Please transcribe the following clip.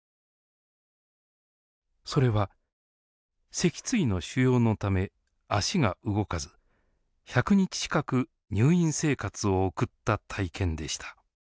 それは脊椎の腫瘍のため足が動かず１００日近く入院生活を送った体験でした。